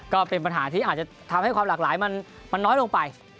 ก็เป็นปัญหาที่อาจจะทำให้ความหลากหลายมันน้อยลงไป